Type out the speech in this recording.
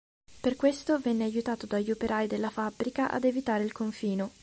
Per questo venne aiutato dagli operai della fabbrica ad evitare il confino.